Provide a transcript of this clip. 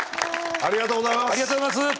ありがとうございます。